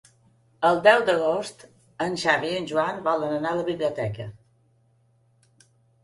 El deu d'agost en Xavi i en Joan volen anar a la biblioteca.